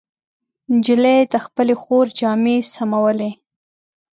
نجلۍ د خپلې خور جامې سمولې.